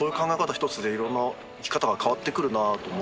ひとつでいろんな生き方が変わってくるなと思って。